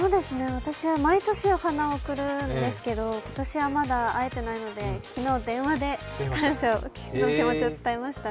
毎年お母さんにお花を贈るんですけど今年はまだ伝えていないので昨日、電話で感謝の気持ちを伝えましたね。